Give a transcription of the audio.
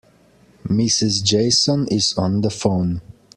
Mrs. Jason is on the phone.